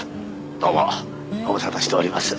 どうもご無沙汰しております。